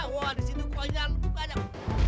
wah disitu konyol banyak